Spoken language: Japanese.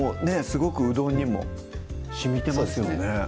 すごくうどんにも染みてますよね